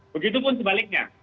begitu pun sebaliknya